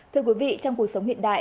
thưa quý vị trong cuộc sống hiện đại